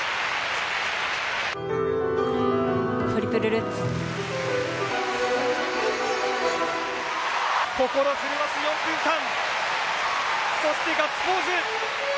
トリプルルッツ心震わす４分間そしてガッツポーズ。